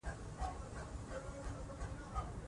انټرنیټ د معلوماتو سمندر دی.